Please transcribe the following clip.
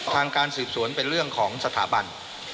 ทางการสืบสวนเป็นเรื่องของสถาบัน